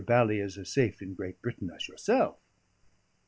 Bally is as safe in Great Britain as yourself.'"